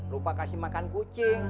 lupa kasih makan kucing